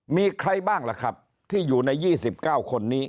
มีใครบ้างล่ะครับที่อยู่ใน๒๙คนนี้